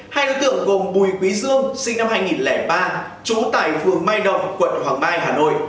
hai đối tượng gồm bùi quý dương sinh năm hai nghìn ba chú tài phương mai đồng quận hoàng mai hà nội